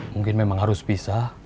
mungkin memang harus pisah